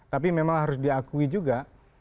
tapi memang harus diakui juga